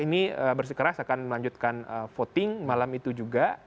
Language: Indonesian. ini bersikeras akan melanjutkan voting malam itu juga